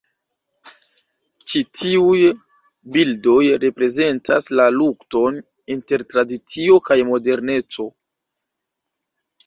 Ĉi tiuj bildoj reprezentas la lukton inter tradicio kaj moderneco.